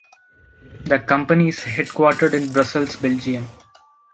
The company is headquartered in Brussels, Belgium.